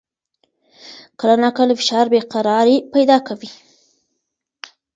کله ناکله فشار بې قراري پیدا کوي.